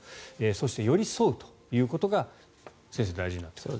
そして寄り添うということが先生、大事になってくると。